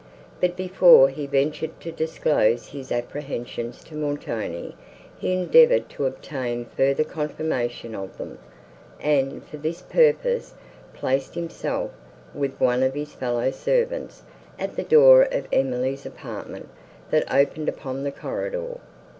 But, before he ventured to disclose his apprehensions to Montoni, he endeavoured to obtain further confirmation of them, and, for this purpose, placed himself, with one of his fellow servants, at the door of Emily's apartment, that opened upon the corridor.